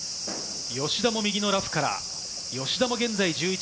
吉田も右のラフから吉田も現在−１１。